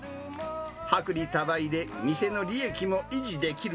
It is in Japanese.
薄利多売で店の利益も維持できる。